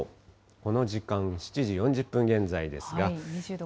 この時間、７時４０分現在ですが。